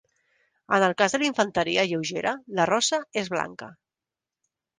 En el cas de la Infanteria Lleugera, la rosa és blanca.